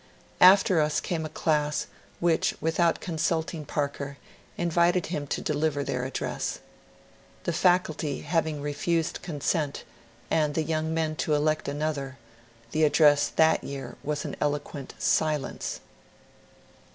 After us came a class which with out consulting Parker invited him to deliver their address. The Faculty having refused consent, and the young men to elect another, the address that year was an eloquent silence.